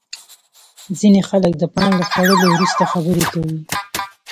ځینې خلک د پان له خوړلو وروسته خبرې کوي.